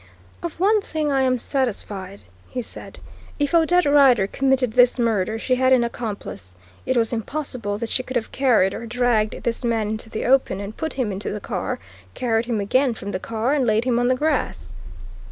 "Of one thing I am satisfied," he said; "if Odette Rider committed this murder she had an accomplice. It was impossible that she could have carried or dragged this man into the open and put him into the car, carried him again from the car and laid him on the grass."